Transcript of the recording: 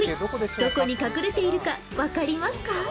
どこに隠れているか分かりますか？